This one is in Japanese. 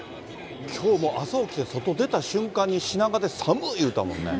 きょうも朝起きて外出た瞬間に、品川で寒い言うたもんね。